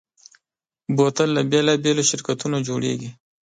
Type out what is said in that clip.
بوتل له بېلابېلو شرکتونو جوړېږي.